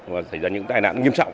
và xảy ra những tai nạn nghiêm trọng